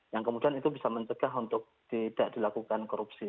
yang kemudian itu bisa mencegah untuk tidak dilakukan korupsi